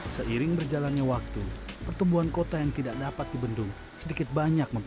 seiring berjalannya waktu pertumbuhan kota yang tidak dapat dibendung sedikit banyak memperbaiki